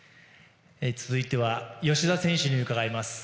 続いては吉田選手に伺います。